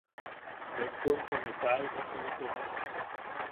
Nejpo into kaa ino suʼutojak.